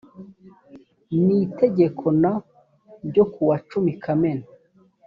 n itegeko n ryo kuwa cumi kamena